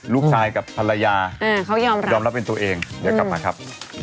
ลูกชายกับภรรยาเขายอมรับยอมรับเป็นตัวเองเดี๋ยวกลับมาครับ